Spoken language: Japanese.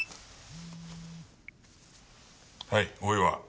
はい大岩。